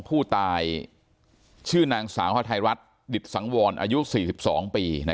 ผู้ตายชื่อนางสาวฮไทยรัฐดิศังวรอายุสี่สิบสองปีนะ